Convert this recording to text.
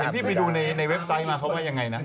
แต่เห็นพี่ไปดูในเว็บไซต์มาเขาว่ายังไงนะ